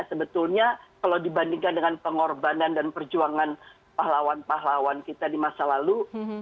sebetulnya kalau dibandingkan dengan pengorbanan dan perjuangan pahlawan pahlawan kita di masa lalu